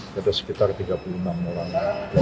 ada sekitar tiga puluh enam orang